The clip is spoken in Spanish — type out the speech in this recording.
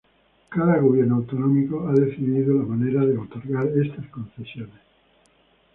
Cada gobierno autonómico ha decidido la manera de otorgar estas concesiones.